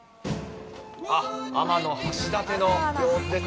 天橋立の様子です。